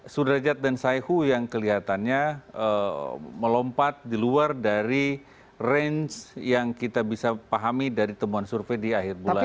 sudrajat dan saihu yang kelihatannya melompat di luar dari range yang kita bisa pahami dari temuan survei di akhir bulan ini